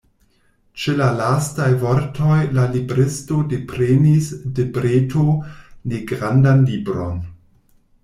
Ĉe la lastaj vortoj la libristo deprenis de breto negrandan libron.